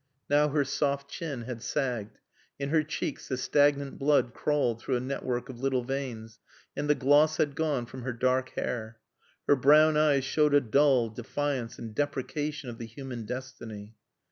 Now her soft chin had sagged; in her cheeks the stagnant blood crawled through a network of little veins, and the gloss had gone from her dark hair. Her brown eyes showed a dull defiance and deprecation of the human destiny.